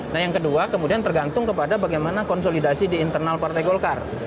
nah yang kedua kemudian tergantung kepada bagaimana konsolidasi di internal partai golkar